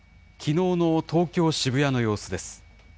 きのうの東京・渋谷の様子です。